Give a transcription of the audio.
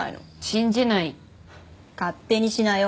信じない勝手にしなよ